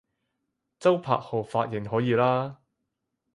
周柏豪髮型可以喇